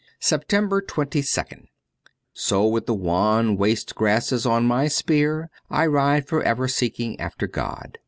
294 SEPTEMBER 22nd SO with the wan waste grasses on my spear, I ride for ever seeking after God.